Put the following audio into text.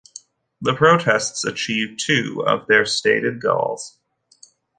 The protests achieved two of their stated goals.